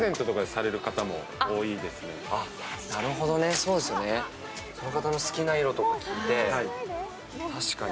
その方の好きな色とか聞いて、確かに。